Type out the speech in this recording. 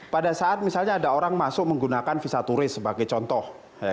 pada saat misalnya ada orang masuk menggunakan visa turis sebagai contoh